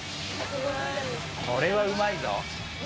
これはうまいぞ。